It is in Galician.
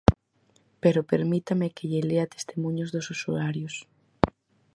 Pero permítame que lle lea testemuños dos usuarios.